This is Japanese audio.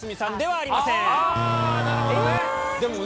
あー、なるほどね。